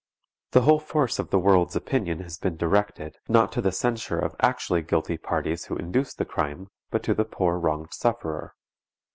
The whole force of the world's opinion has been directed, not to the censure of actually guilty parties who induced the crime, but to the poor wronged sufferer.